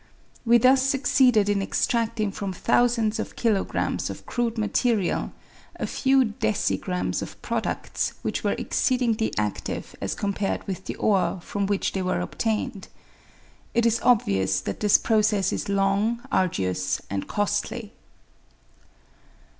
We thus succeeded in extrading from thousands of kilogrms. of crude material a few decigrammes of pro duds which were exceedingly adive as compared with the ore from which they were obtained. It is obvious that this process is long, arduous, and costly.